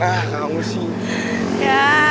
ah kamu sih